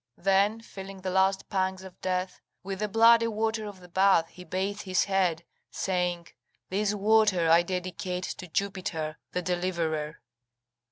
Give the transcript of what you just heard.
Then, feeling the last pangs of death, with the bloody water of the bath he bathed his head, saying: "This water I dedicate to Jupiter the deliverer."